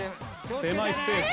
狭いスペース。